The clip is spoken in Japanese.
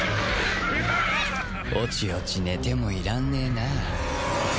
おちおち寝てもいらんねえな